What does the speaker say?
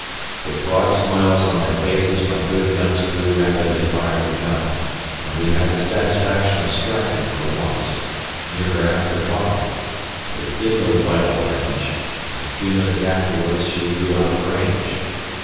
With broad smiles on their faces, my good gun's crew rapidly fired the gun, and we had the satisfaction of striking her once, near her after funnel, but it did no vital damage, as a few minutes afterwards she drew out of range!